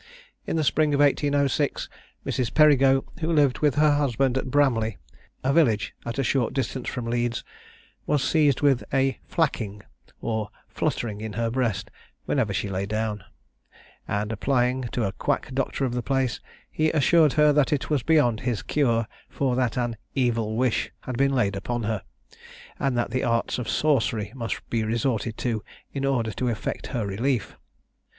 In the spring of 1806 Mrs. Perigo, who lived with her husband, at Bramley, a village at a short distance from Leeds, was seized with a "flacking," or fluttering in her breast, whenever she lay down, and applying to a quack doctor of the place, he assured her that it was beyond his cure, for that an "evil wish" had been laid upon her, and that the arts of sorcery must be resorted to in order to effect her relief.